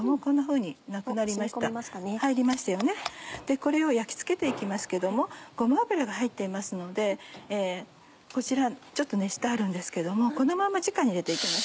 これを焼き付けて行きますけどもごま油が入っていますのでこちらちょっと熱してあるんですけどもこのままじかに入れて行きます。